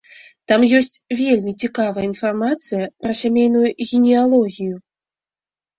Там ёсць вельмі цікавая інфармацыя пра сямейную генеалогію.